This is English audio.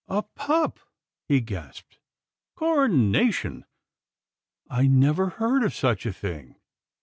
" A pup," he gasped, " Coronation ! I never heard of such a thing.